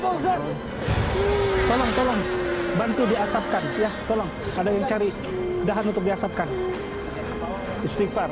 tolong tolong bantu diasapkan ya tolong ada yang cari dahan untuk diasapkan istighfar